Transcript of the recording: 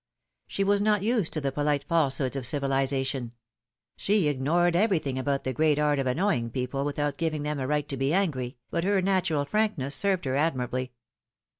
She was not used to the polite falsehoods of civilization ; she ignored everything about the great art of annoying people without giving them a right to be angry, but her natural frankness served her admirably.